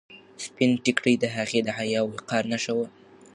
سپین ټیکری د هغې د حیا او وقار نښه وه.